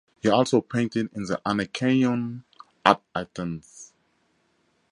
He also painted in the Anakeion at Athens.